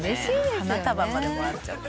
花束までもらっちゃって。